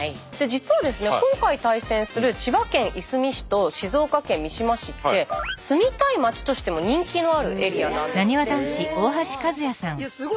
実はですね今回対戦する千葉県いすみ市と静岡県三島市って住みたい町としても人気のあるエリアなんですって。